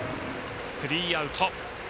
スリーアウト。